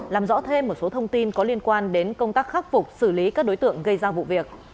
làm rõ thêm một số thông tin có liên quan đến công tác khắc phục xử lý các đối tượng gây ra vụ việc